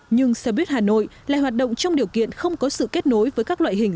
nhưng xe buýt hà nội lại hoạt động trong điều kiện không có sự kết nối với các loại hình